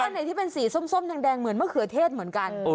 แล้วอันไหนที่สีส้มดังเหมือนมะเขือเทศเหมือนกัน